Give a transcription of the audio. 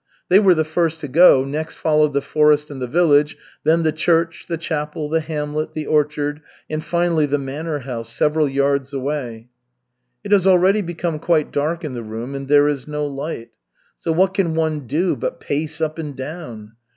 They were the first to go, next followed the forest and the village, then the church, the chapel, the hamlet, the orchard, and finally the manor house, several yards away. It has already become quite dark in the room, and there is no light. So what can one do but pace up and down?